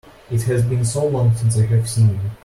It has been so long since I have seen you!